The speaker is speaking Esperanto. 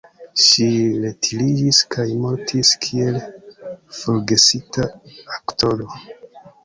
Ŝi retiriĝis kaj mortis kiel forgesita aktoro.